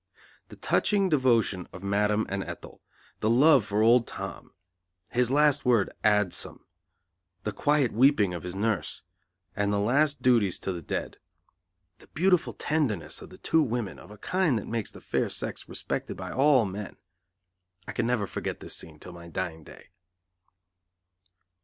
The touching devotion of Madam and Ethel, the love for old Tom, his last word "adsum" the quiet weeping of his nurse, and the last duties to the dead; the beautiful tenderness of the two women, of a kind that makes the fair sex respected by all men I can never forget this scene till my dying day.